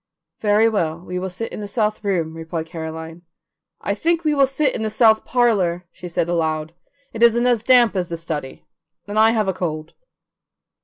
"Very well, we will sit in the south room," replied Caroline. "I think we will sit in the south parlour," she said aloud; "it isn't as damp as the study, and I have a cold."